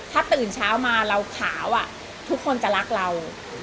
ถ้าตื่นเช้ามาเราขาวทุกคนจะรักเรา